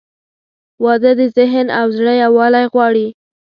• واده د ذهن او زړه یووالی غواړي.